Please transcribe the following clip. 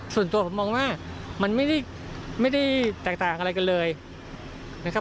ส่วนตัวผมมองว่ามันไม่ได้แตกต่างอะไรกันเลยนะครับ